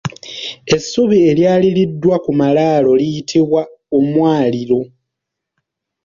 Essubi eryaliriddwa ku malaalo liyitibwa omwaliiro.